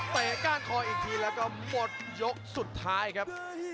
ก้านคออีกทีแล้วก็หมดยกสุดท้ายครับ